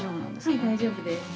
◆はい、大丈夫です。